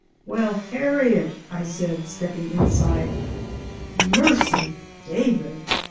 "Well, Harriet!" I said, stepping inside. "Mercy! David!"